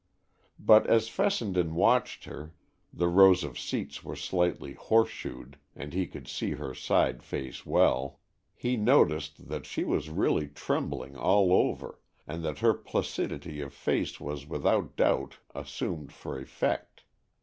But as Fessenden watched her—the rows of seats were slightly horseshoed, and he could see her side face well—he noticed that she was really trembling all over, and that her placidity of face was without doubt assumed for effect.